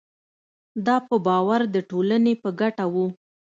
دا په باور د ټولنې په ګټه وو.